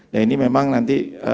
nah ini memang nanti